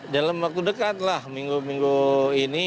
dalam waktu dekat lah minggu minggu ini